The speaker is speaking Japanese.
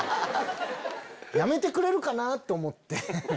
やめてくれるかな？って思って。